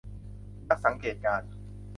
นักสังเกตการณ์